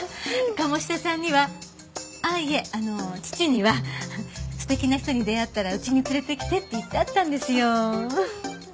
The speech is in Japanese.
鴨志田さんにはあっいえあの父には素敵な人に出会ったら家に連れてきてって言ってあったんですよ。